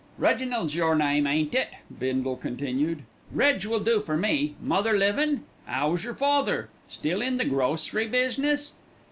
"Reginald's your name, ain't it?" Bindle continued. "Reg will do for me. Mother livin'? 'Ow's yer father? Still in the grocery business?"